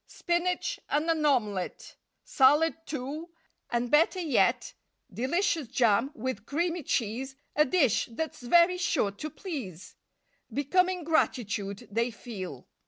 Spinach and an omelette, Salad, too, and better yet Delicious jam with creamy cheese— A dish that's very sure to please! Becoming gratitude they feel.